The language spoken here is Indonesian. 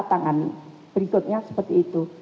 tangani berikutnya seperti itu